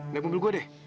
biar gue buat deh